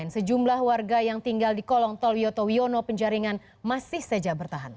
sejumlah warga yang tinggal di kolongtol wioto wiono penjaringan masih saja bertahan